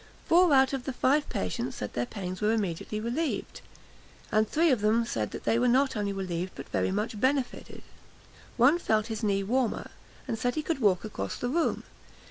Four out of the five patients said their pains were immediately relieved; and three of them said they were not only relieved but very much benefited. One felt his knee warmer, and said he could walk across the room.